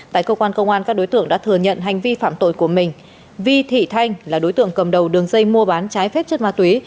tại cơ quan công an các đối tượng đã thừa nhận hành vi phạm tội của mình vi thị thanh là đối tượng cầm đầu đường dây mua bán trái phép chất ma túy